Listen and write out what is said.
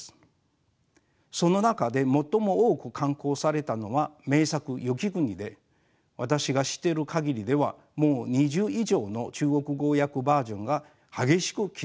その中で最も多く刊行されたのは名作「雪国」で私が知っている限りではもう２０以上の中国語訳バージョンが激しく競い合っています。